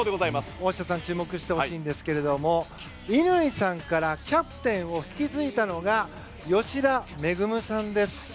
大下さん注目してほしいんですけれども乾さんからキャプテンを引き継いだのが吉田萌さんです。